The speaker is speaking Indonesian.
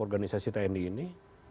organisasi tni ini